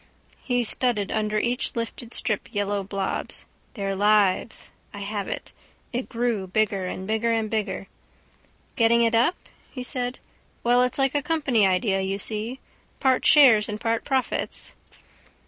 He studded under each lifted strip yellow blobs. Their lives. I have it. It grew bigger and bigger and bigger. —Getting it up? he said. Well, it's like a company idea, you see. Part shares and part profits.